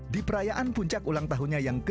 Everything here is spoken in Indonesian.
di perayaan puncak ulang tahunnya yang ke tujuh puluh